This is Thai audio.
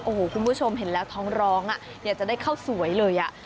โอ้โหคุณผู้ชมเห็นแล้วท้องร้องจะได้เข้าสวยเลย